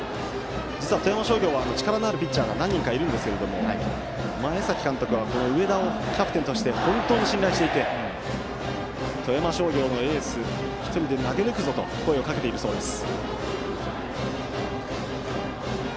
実は富山商業は力のあるピッチャーが何人かいるんですが前崎監督は上田をキャプテンとして本当に信頼していて富山商業のエース１人で投げ抜くぞと声をかけているそうです。